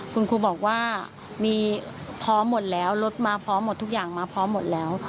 คุณครูบอกว่ามีพร้อมหมดแล้วรถมาพร้อมหมดทุกอย่างมาพร้อมหมดแล้ว